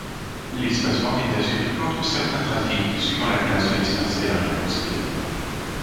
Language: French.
L'espacement n'est assuré qu'entre certains trafics, suivant la classe de l'espace aérien considéré.